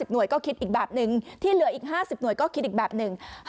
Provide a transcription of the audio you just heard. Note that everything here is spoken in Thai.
หน่วยก็คิดอีกแบบนึงที่เหลืออีก๕๐หน่วยก็คิดอีกแบบหนึ่ง